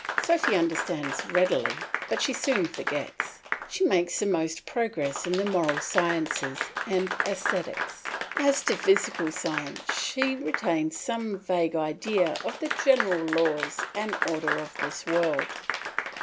Sophy understands readily, but she soon forgets. She makes most progress in the moral sciences and aesthetics; as to physical science she retains some vague idea of the general laws and order of this world.